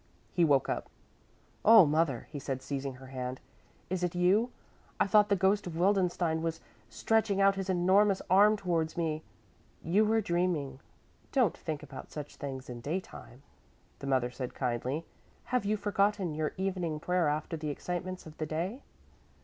He woke up. "Oh, mother," he said, seizing her hand, "is it you? I thought the ghost of Wildenstein was stretching out his enormous arm towards me! "You were dreaming; don't think about such things in daytime," the mother said kindly. "Have you forgotten your evening prayer after the excitements of the day?"